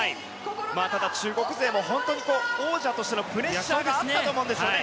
ただ、中国勢も王者としてのプレッシャーがあったと思うんですよね。